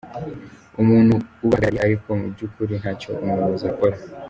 umuntu ubahagarariye ariko mu byukuri ntacyo umuyobozi akora.